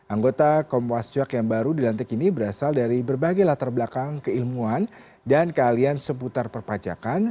anggota komwasjak yang baru dilantik ini berasal dari berbagai latar belakang keilmuan dan keahlian seputar perpajakan